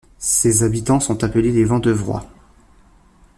Ses habitants sont appelés les Vendœuvrois.